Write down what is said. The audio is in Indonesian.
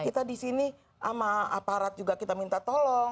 kita di sini sama aparat juga kita minta tolong